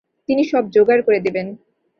তিনি সব যোগাড় করে দেবেন।